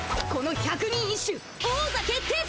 百人一首王座決定戦！